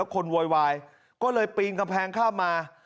คนโวยวายก็เลยปีนกำแพงข้ามมา